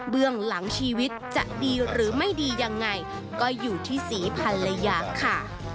หลังชีวิตจะดีหรือไม่ดียังไงก็อยู่ที่ศรีภรรยาค่ะ